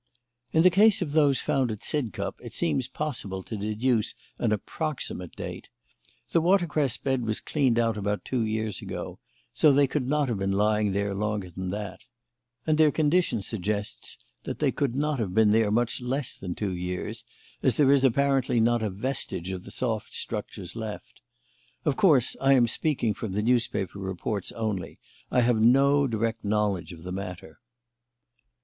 "In the case of those found at Sidcup it seems possible to deduce an approximate date. The watercress bed was cleaned out about two years ago, so they could not have been lying there longer than that; and their condition suggests that they could not have been there much less than two years, as there is apparently not a vestige of the soft structures left. Of course, I am speaking from the newspaper reports only; I have no direct knowledge of the matter."